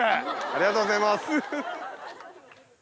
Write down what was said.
ありがとうございます！